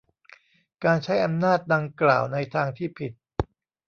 การใช้อำนาจดังกล่าวในทางที่ผิด